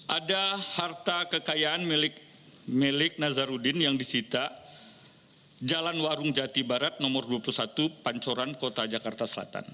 ada harta kekayaan milik nazarudin yang disita jalan warung jati barat nomor dua puluh satu pancoran kota jakarta selatan